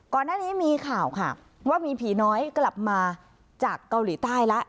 ก่อนหน้านี้มีข่าวค่ะว่ามีผีน้อยกลับมาจากเกาหลีใต้แล้ว